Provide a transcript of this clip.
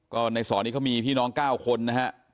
ก็ในสอนี้ก็มีพี่น้องเก้าคนนะครับ